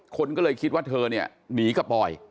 คนก็เลยคิดว่าเธอเนี่ยหนีกับบอย